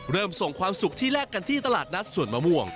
ส่งความสุขที่แรกกันที่ตลาดนัดสวนมะม่วง